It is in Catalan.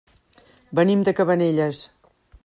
Venim de Cabanelles.